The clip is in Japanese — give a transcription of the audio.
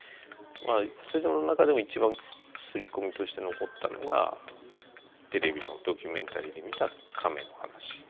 それでも中でも一番すり込みとして残ったのがテレビのドキュメンタリーで見たカメの話。